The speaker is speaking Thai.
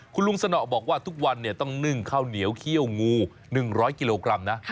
คุณลุงสนอบอกว่าทุกวันต้องนึ่งข้าวเหนียวเขี้ยวงู๑๐๐กิโลกรัมนะ